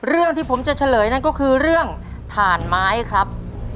เรื่องที่ผมจะเฉลยนั่นก็คือเรื่องถ่านไม้ครับ